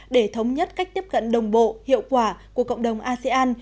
để thống nhất cách tiếp cận đồng bộ hiệu quả của cộng đồng asean